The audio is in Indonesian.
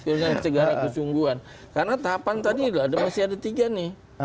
sekarang ini secara kesungguhan karena tahapan tadi masih ada tiga nih